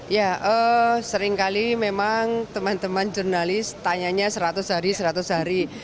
ya seringkali memang teman teman jurnalis tanyanya seratus hari seratus hari